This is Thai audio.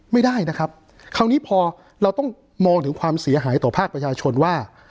ไม่ได้นะครับคราวนี้พอเราต้องมองถึงความเสียหายต่อภาคประชาชนว่า